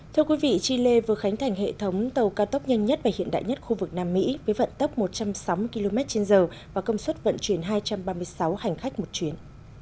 thưa quý vị chile vừa khánh thành hệ thống tàu cao tốc nhanh nhất và hiện đại nhất khu vực nam mỹ với vận tốc một trăm sáu mươi km trên giờ và công suất vận chuyển hai trăm ba mươi sáu hành khách một chuyến